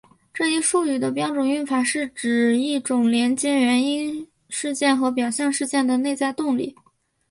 这一术语的标准用法是指一种连接原因事件和表象事件的内在动力。